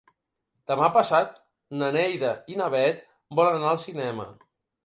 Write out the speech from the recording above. Demà passat na Neida i na Bet volen anar al cinema.